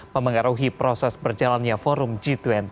memengaruhi proses berjalannya forum g dua puluh